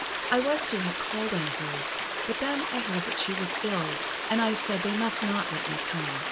I was to have called on her; but then I heard that she was ill, and I said they must not let me come.